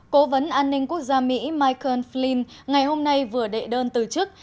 cố vấn an ninh quốc gia mỹ michael flin ngày hôm nay vừa đệ đơn từ chức